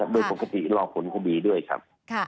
โดยปกติรอผลคดีด้วยครับ